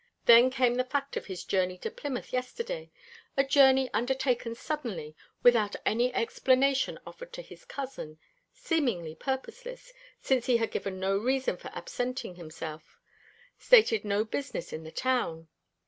Then came the fact of his journey to Plymouth yesterday a journey undertaken suddenly, without any explanation offered to his cousin seemingly purposeless, since he had given no reason for absenting himself, stated no business in the town.